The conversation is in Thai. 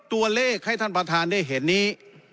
ตัวเลขให้ท่านประธานได้เห็นนี้